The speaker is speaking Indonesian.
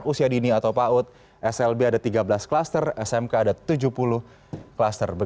usia dini atau paut slb ada tiga belas klaster smk ada tujuh puluh klaster